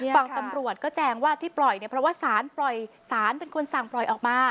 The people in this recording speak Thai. ฟังตำรวจก็แจงว่าที่ปล่อยเพราะว่าศาลเป็นคนสั่งปล่อยออกมา